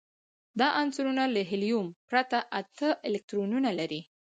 دا عنصرونه له هیلیوم پرته اته الکترونونه لري.